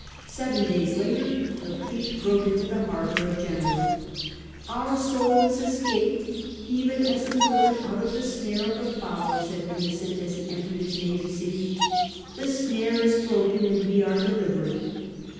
Seven days later the fleet rode into the harbour of Genoa. " Our soul is escaped, even as a bird out of the snare of the fowler," said Innocent, as he entered his native city ;" the snare is broken and we are delivered."